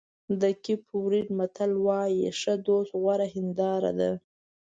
د کېپ ورېډ متل وایي ښه دوست غوره هنداره ده.